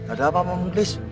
ada apa pak mukhlis